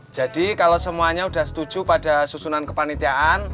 jadi kalau semuanya udah setuju pada susunan kepanitiaan